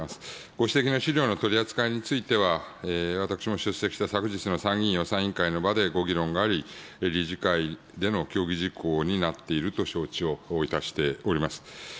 ご指摘の資料の取り扱いについては、私も出席した昨日の参議院予算委員会の場でご議論があり、理事会での協議事項になっていると承知をいたしております。